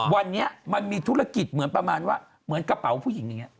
วันนี้มันมีธุรกิจเหมือนประมาณว่าเหมือนกระเป๋าผู้หญิงอย่างนี้